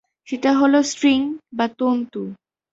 সেটা হলো স্ট্রিং বা তন্তু।